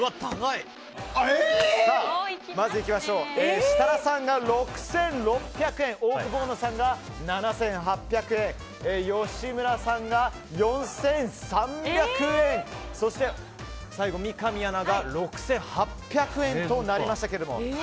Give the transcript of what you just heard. まず、設楽さんが６６００円オオクボーノさんが７８００円吉村さんが４３００円そして三上アナが６８００円となりました。